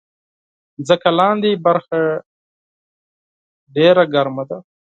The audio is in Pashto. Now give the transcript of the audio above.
مځکه لاندې برخه ډېره ګرمه ده.